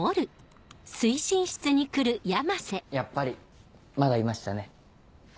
やっぱりまだいましたね。